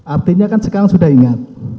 artinya kan sekarang sudah ingat